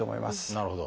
なるほど。